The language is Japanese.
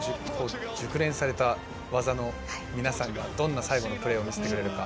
熟練された技の皆さんがどんな最後のプレーを見せてくれるか。